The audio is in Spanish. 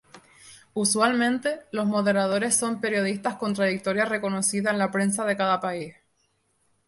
Usualmente, los moderadores son periodistas con trayectoria reconocida en la prensa de cada país.